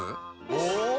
お！